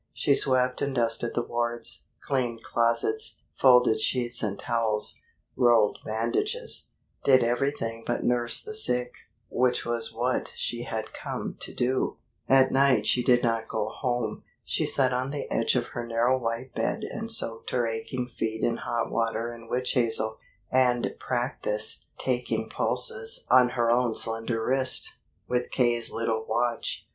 She swept and dusted the wards, cleaned closets, folded sheets and towels, rolled bandages did everything but nurse the sick, which was what she had come to do. At night she did not go home. She sat on the edge of her narrow white bed and soaked her aching feet in hot water and witch hazel, and practiced taking pulses on her own slender wrist, with K.'s little watch.